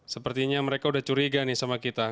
sepertinya mereka udah curiga nih sama kita